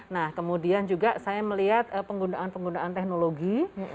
nah kemudian juga saya melihat penggunaan penggunaan teknologi